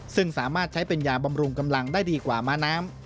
ซึ่งสามารถใช้เป็นยาบำรุงกำลังได้ดีกว่าม้าน้ำ